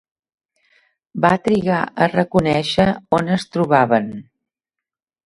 Va trigar a reconèixer on es trobaven?